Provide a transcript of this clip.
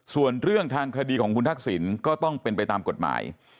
ส่วนเรื่องทางคดีของคุณทักษิณก็ต้องเป็นไปตามกฎหมาย